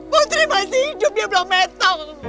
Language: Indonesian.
putri masih hidup dia belum metal